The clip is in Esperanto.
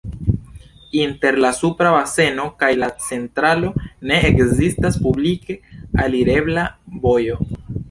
Inter la supra baseno kaj la centralo ne ekzistas publike alirebla vojo.